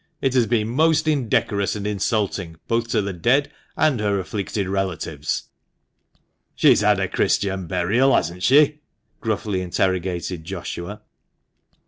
It has been most indecorous and insulting, both to the dead and her afflicted relatives." "She's had Christian burial, hasn't she?" gruffly interrogated Joshua.